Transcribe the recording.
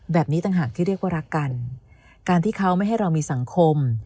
แบบนี้ต่างหากที่เรียกว่ารักกันการที่เขาไม่ให้เรามีสังคม